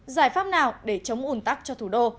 giải pháp nào để chống ủn tắc cho thủ đô